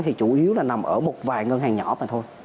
thì chủ yếu là nằm ở một vài ngân hàng nhỏ mà thôi